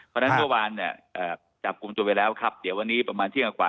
เพราะฉะนั้นเมื่อวานเนี่ยจับกลุ่มตัวไปแล้วครับเดี๋ยววันนี้ประมาณเที่ยงกว่า